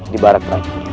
di barat terakhir